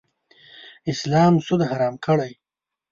اسلام سود حرام کړی.